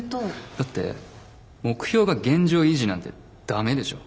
だって目標が現状維持なんてダメでしょ？